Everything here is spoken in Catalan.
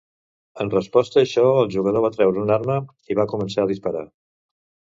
En resposta a això, el jugador va treure una arma i va començar a disparar.